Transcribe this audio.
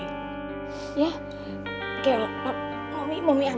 ya kayak mami mami andi pusing